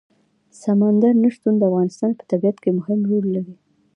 سمندر نه شتون د افغانستان په طبیعت کې مهم رول لري.